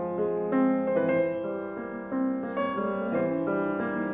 すごーい。